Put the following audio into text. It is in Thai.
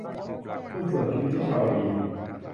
หุ้นส่วนชีวิต - นุชาวดี